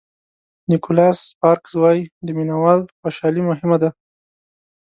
نیکولاس سپارکز وایي د مینه وال خوشالي مهمه ده.